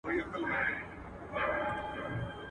د لښکر په شا کي ځه، په سر کې راځه.